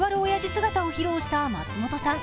姿を披露した松本さん。